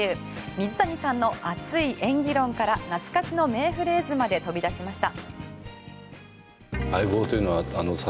水谷さんの熱い演技論から懐かしの名フレーズまで飛び出しました。